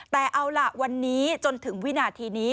แต่เอาล่ะวันนี้จนถึงวินาทีนี้